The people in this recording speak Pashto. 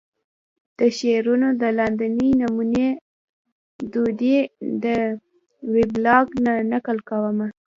د شعرونو دا لاندينۍ نمونې ددوې د وېبلاګ نه نقل کومه